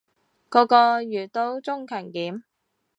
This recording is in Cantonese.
個個月都中強檢